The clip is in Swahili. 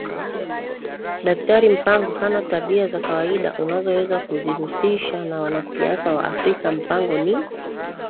Daktari Mpango hana tabia za kawaida unazoweza kuzihusisha na wanasiasa wa Afrika Mpango ni